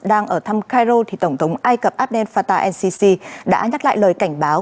đang ở thăm cairo thì tổng thống ai cập abdel fattah el sisi đã nhắc lại lời cảnh báo